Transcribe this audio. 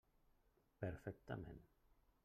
Perfectament.